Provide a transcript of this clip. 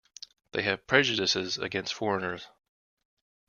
They have prejudices against foreigners.